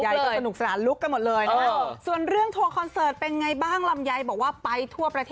ี้น้องนิดหนึ่งอาหิม